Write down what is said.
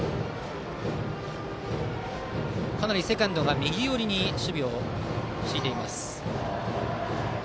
かなりセカンドが右寄りに守備を敷いています。